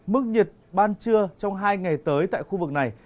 mức nhiệt ban trưa trong hai ngày tới tại khu vực này